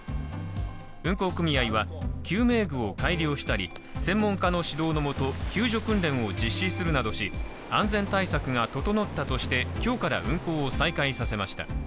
運航組合は救命具を改良したり専門家の指導のもと、救助訓練を実施するなどし安全対策が整ったとして今日から運航を再開させました。